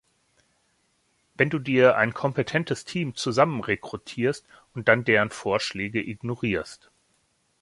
Wenn du dir ein kompetentes Team zusammen rekrutierst und dann deren Vorschläge ignorierst.